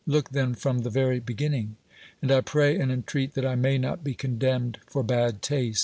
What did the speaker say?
Look then from the very be ginning. And I pray and entreat that I may not be condemned for bad taste.